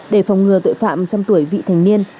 để phòng ngừa tội phạm trong tuổi vị thành niên